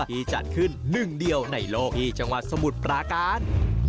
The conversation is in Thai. จัดขึ้นหนึ่งเดียวในโลกที่จังหวัดสมุทรปราการ